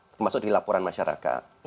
termasuk di laporan masyarakat